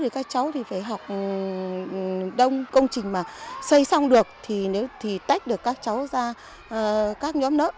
các cháu thì phải học đông công trình mà xây xong được thì nếu tách được các cháu ra các nhóm lớp